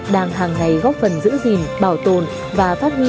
đang hàng ngày góp phần giữ gìn bảo tồn và phát huy